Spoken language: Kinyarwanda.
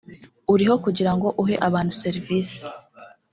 uriho kugira ngo uhe abantu serivisi